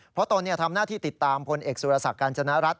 เพราะตนทำหน้าที่ติดตามพลเอกสุรศักดิ์การจนรัฐ